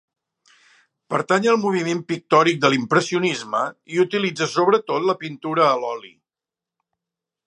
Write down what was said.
Pertany al moviment pictòric de l'impressionisme i utilitza sobretot la pintura a l'oli.